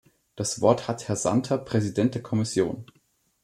Das Wort hat Herr Santer, Präsident der Kommission.